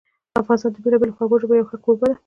افغانستان د بېلابېلو خوږو ژبو یو ښه کوربه ده.